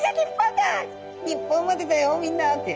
「日本までだよみんな」って。